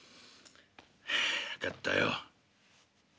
「はあ分かったよ。